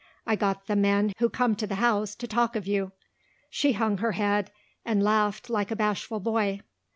I got the men who come to the house to talk of you." She hung her head and laughed like a bashful boy.